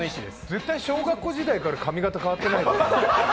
絶対、小学校時代から髪形変わってないよ。